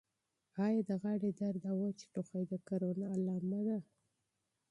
آیا په ستوني کې درد او وچ ټوخی د کرونا نښې دي؟